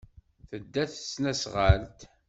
Tedda s tesnasɣalt.